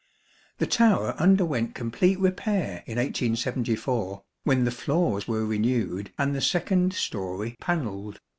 The tower underwent complete repair in 1874, when the floors were renewed and the second storey panelled.